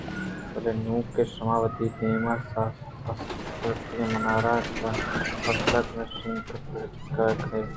بلے نوں کہ شُما وتی دم ساسارتگ منارا زاہ ءُ بسیت کنان ءَ شِگان ءُ پُگان کنگائے